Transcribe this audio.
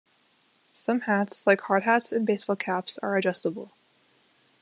Some hats, like hard hats and baseball caps, are adjustable.